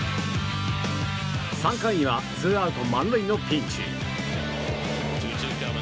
３回にはツーアウト満塁のピンチ。